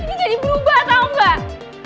ini jadi berubah tau gak